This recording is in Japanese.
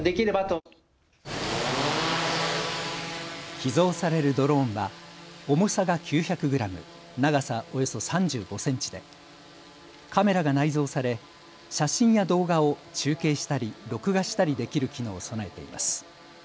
寄贈されるドローンは重さが９００グラム、長さおよそ３５センチでカメラが内蔵され、写真や動画を中継したり録画したりできる機能を備えています。